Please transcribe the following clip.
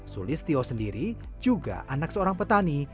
sulis tio sendiri juga anak seorang petani